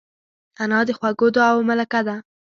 انا د خوږو دعاوو ملکه ده